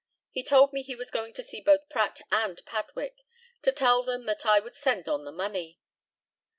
He told me he was going to see both Pratt and Padwick, to tell them that I would send on the money.